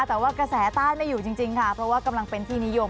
แต่ว่ากระแสใต้ไม่อยู่จริงค่ะเพราะว่ากำลังเป็นที่นิยม